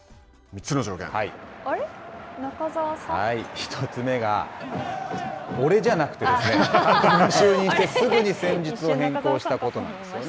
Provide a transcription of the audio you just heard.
１つ目が、俺じゃなくてですね、監督が就任してすぐに戦術を変更したことなんですよね。